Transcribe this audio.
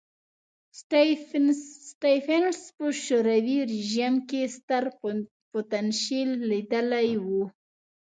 سټېفنس په شوروي رژیم کې ستر پوتنشیل لیدلی و.